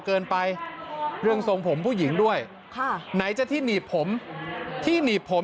เกินไปเรื่องทรงผมผู้หญิงด้วยค่ะไหนจะที่หนีบผมที่หนีบผม